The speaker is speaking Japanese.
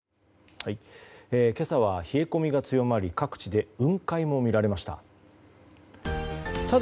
今朝は冷え込みが強まり各地で雲海も見られました。